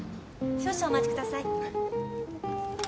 少々お待ちください。